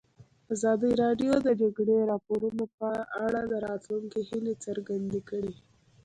ازادي راډیو د د جګړې راپورونه په اړه د راتلونکي هیلې څرګندې کړې.